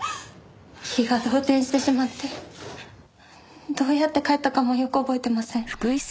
気が動転してしまってどうやって帰ったかもよく覚えてません。